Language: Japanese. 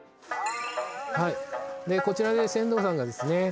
はいでこちらで船頭さんがですね